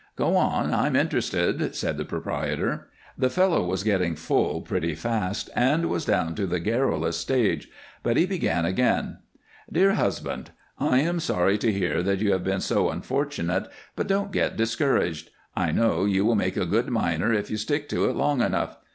"Go on. I'm interested," said the proprietor. The fellow was getting full pretty fast and was down to the garrulous stage, but he began again: "DEAR HUSBAND, I am sorry to hear that you have been so unfortunate, but don't get discouraged. I know you will make a good miner if you stick to it long enough.